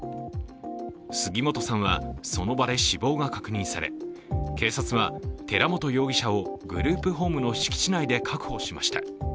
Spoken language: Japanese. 杉本さんは、その場で死亡が確認され警察は寺本容疑者をグループホームの敷地内で確保しました。